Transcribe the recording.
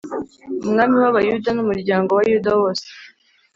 umwami w’Abayuda n’umuryango wa Yuda wose